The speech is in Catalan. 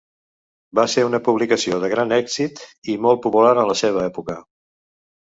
Va ser una publicació de gran èxit i molt popular en la seva època.